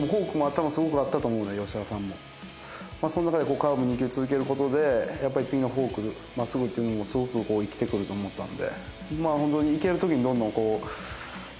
その中でカーブ２球続ける事でやっぱり次のフォーク真っすぐっていうのもすごく生きてくると思ったので。